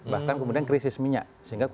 bahkan kemudian krisis minyak